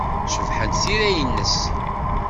Cebḥent tira-nnes.